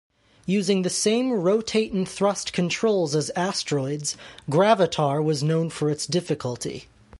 Using the same rotate-and-thrust controls as "Asteroids", "Gravitar" was known for its difficulty.